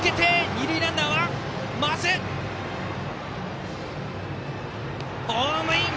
二塁ランナー、ホームイン！